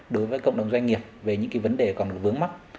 đối với cộng đồng doanh nghiệp về những vấn đề còn vướng mắt